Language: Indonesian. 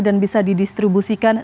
dan bisa didistribusikan